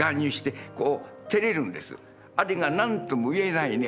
あれが何とも言えないね